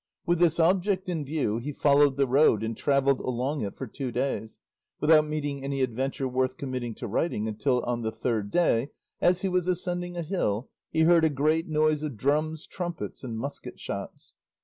With this object in view he followed the road and travelled along it for two days, without meeting any adventure worth committing to writing until on the third day, as he was ascending a hill, he heard a great noise of drums, trumpets, and musket shots.